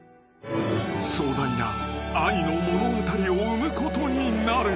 ［壮大な愛の物語を生むことになる］